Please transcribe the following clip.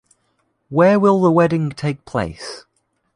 Where will the wedding take place?